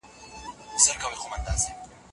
موږ د خپل چاپیریال محصول یو.